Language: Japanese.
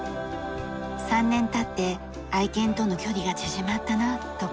３年経って愛犬との距離が縮まったなと感じています。